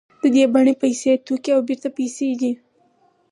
د دې بڼه پیسې توکي او بېرته پیسې دي